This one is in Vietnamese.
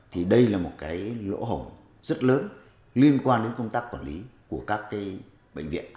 thì đây là một lỗ hổng rất lớn liên quan đến công tác quản lý của các bệnh viện